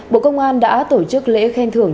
bộ công an đã tổ chức lễ khen thưởng